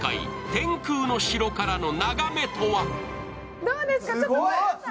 天空の城からの眺めとはどうですか？